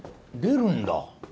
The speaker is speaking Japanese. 出るんだ。